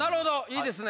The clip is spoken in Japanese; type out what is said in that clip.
いいですね。